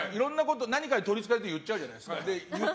何かに取りつかれて言うじゃないですか。